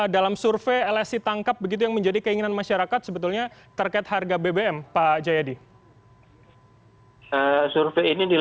dalam survei lsi tangkap begitu yang menjadi keinginan masyarakat sebetulnya terkait harga bbm pak jayadi